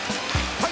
はい！